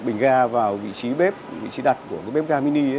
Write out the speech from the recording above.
bình ga vào vị trí bếp vị trí đặt của cái bếp ga mini